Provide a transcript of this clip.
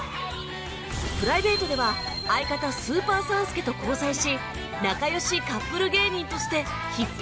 プライベートでは相方スーパー３助と交際し仲良しカップル芸人として引っ張りだこに